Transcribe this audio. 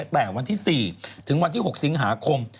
แต่วันที่๔ถึงวันที่๖สิงหาคม